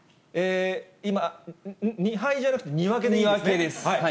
今、２敗じゃなくて、２分けです。